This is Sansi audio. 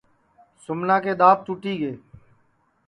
سُمنا کے دؔانٚت ٹُوٹی گے